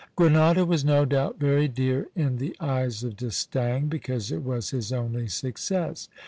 Grenada was no doubt very dear in the eyes of D'Estaing, because it was his only success.